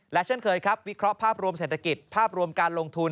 เช่นเคยครับวิเคราะห์ภาพรวมเศรษฐกิจภาพรวมการลงทุน